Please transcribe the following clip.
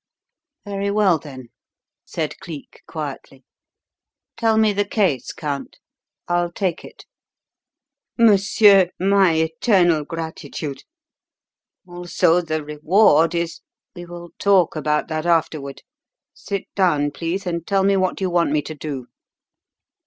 "Very well, then," said Cleek quietly. "Tell me the case, Count. I'll take it." "Monsieur, my eternal gratitude. Also the reward is " "We will talk about that afterward. Sit down, please, and tell me what you want me to do."